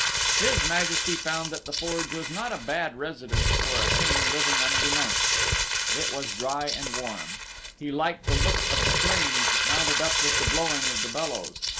His Majesty found that the Forge was not a bad residence for a King living unbeknownst. It was dry and warm. He liked the look of the flames that mounted up with the blowing of the bellows.